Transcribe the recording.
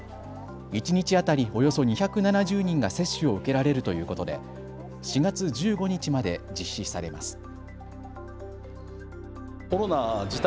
一日当たりおよそ２７０人が接種を受けられるということで４月１５日まで実施されます。